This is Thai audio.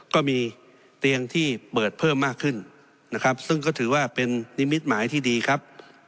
ก็มีเตียงที่เปิดเพิ่มมากขึ้นนะครับซึ่งก็ถือว่าเป็นนิมิตหมายที่ดีครับ